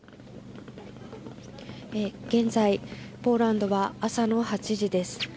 現在、ポーランドは朝の８時です。